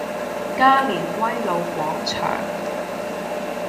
加連威老廣場